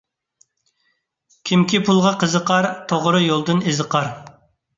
كىمكى پۇلغا قىزىقار، توغرا يولدىن ئېزىقار.